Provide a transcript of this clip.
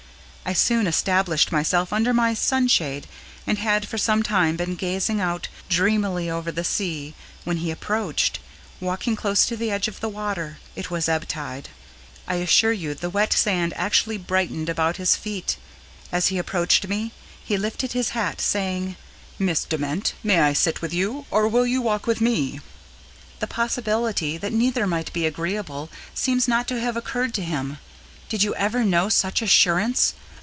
I soon established myself under my sunshade and had for some time been gazing out dreamily over the sea, when he approached, walking close to the edge of the water it was ebb tide. I assure you the wet sand actually brightened about his feet! As he approached me, he lifted his hat, saying: "Miss Dement, may I sit with you? or will you walk with me?" The possibility that neither might be agreeable seems not to have occurred to him. Did you ever know such assurance?